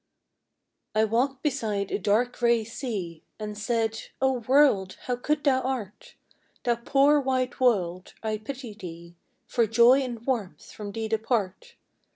T WALKED beside a dark gray sea, And said, " O world, how cold thou art! Thou poor white world, I pity thee, For joy and warmth from thee depart.